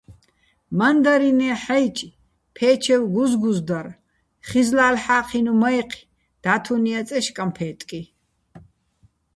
მანდარინეჼ ჰ̦აჲჭი̆, ფე́ჩევ გუზგუზ დარ, ხიზლალ ჰ̦აჴინო̆ მაჲჴი, დათუნია წეშ კამფე́ტკი.